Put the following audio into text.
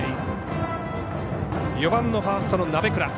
４番のファーストの鍋倉。